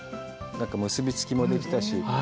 結び付きもできたし。